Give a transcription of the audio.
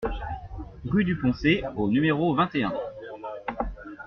Rue du Poncé au numéro vingt et un